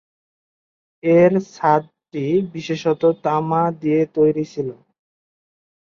এর ছাদটি বিশেষত তামা দিয়ে তৈরি ছিল।